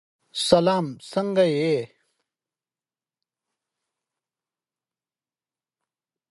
ځمکنی شکل د افغانستان د بشري فرهنګ یوه ډېره مهمه برخه ده.